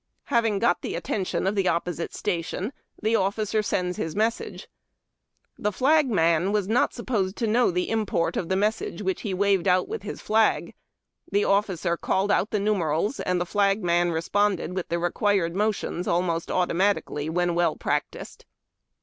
Having got the attention of the opposite station, the officer sends his mes sage. The flagman was not supposed to know the import of the message whicli he waved out with his flag. The officer called the numerals, and the flagman responded with the required motions almost automatically, when well practised.